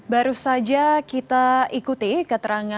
baru saja kita ikuti keterangan